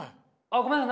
ごめんなさい。